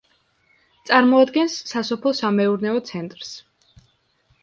წარმოადგენს სასოფლო-სამეურნეო ცენტრს.